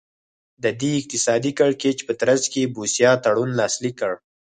د دې اقتصادي کړکېچ په ترڅ کې بوسیا تړون لاسلیک کړ.